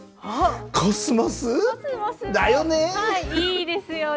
いいですよね。